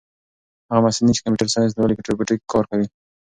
هغه محصلین چې کمپیوټر ساینس لولي په روبوټیک کې کار کوي.